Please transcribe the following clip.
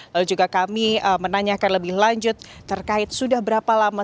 lalu juga kami menanyakan lebih lanjut terkait sudah berapa lama